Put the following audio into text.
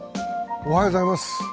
おはようございます。